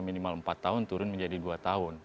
minimal empat tahun turun menjadi dua tahun